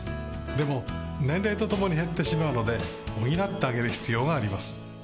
でも年齢とともに減ってしまうので補ってあげる必要があります